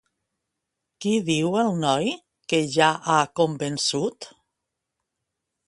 Qui diu el noi que ja ha convençut?